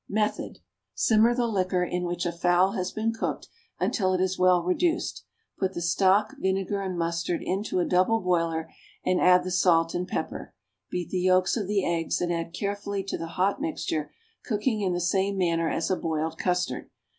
Method. Simmer the liquor in which a fowl has been cooked, until it is well reduced. Put the stock, vinegar and mustard into a double boiler, and add the salt and pepper. Beat the yolks of the eggs and add carefully to the hot mixture, cooking in the same manner as a boiled custard.